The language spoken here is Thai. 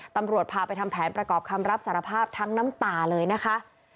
ตำรวจพาไปทำแผนประกอบคำรับสารภาพทั้งน้ำตาเลยนะคะ